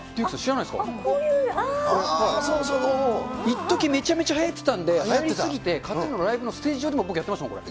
いっときめちゃめちゃはやってたんで、はやりすぎて、ＫＡＴーＴＵＮのライブ上でも、僕、やってましたもん、これ。